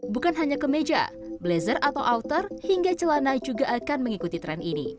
bukan hanya kemeja blazer atau outer hingga celana juga akan mengikuti tren ini